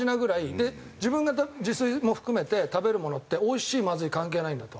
で自分が自炊も含めて食べるものっておいしいまずい関係ないんだと。